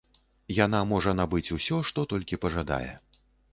Яна можа набыць усё, што толькі пажадае.